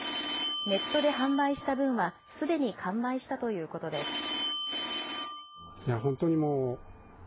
ネットで販売した分は、すでに完売したということです。